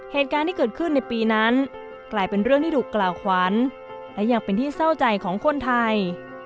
เหตุการณ์ที่เกิดขึ้นในปีนั้นกลายเป็นเรื่องที่ถูกกล่าวขวัญและยังเป็นที่เศร้าใจของคนไทย